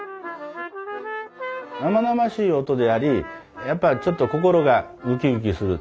生々しい音でありやっぱちょっと心がウキウキする。